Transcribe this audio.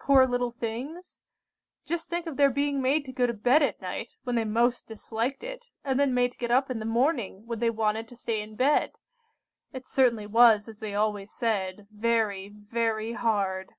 Poor little things! Just think of their being made to go to bed at night, when they most disliked it, and then made to get up in the morning, when they wanted to stay in bed! It certainly was, as they always said, 'very, very hard.